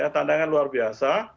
tandangan luar biasa